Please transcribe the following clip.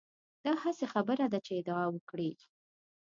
دا هسې خبره ده چې ادعا وکړي.